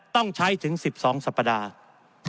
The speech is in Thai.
ต้องใช้ถึง๑๒สัปดาห์